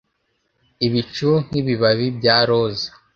Ibicu nkibibabi bya roza